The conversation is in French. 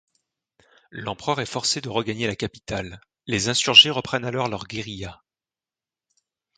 L'Empereur est forcé de regagner la capitale, les insurgés reprennent alors leur guérilla.